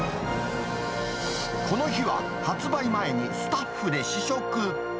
この日は、発売前にスタッフで試食。